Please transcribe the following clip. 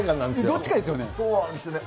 どっちかですよね。